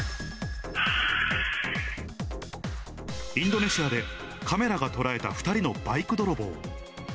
インドネシアでカメラが捉えた２人のバイク泥棒。